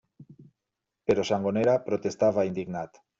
Però Sangonera protestava indignat.